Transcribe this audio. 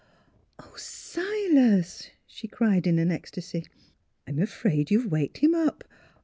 " Oh, Silas!" she cried in an ecstasy. "I'm afraid you've waked him up!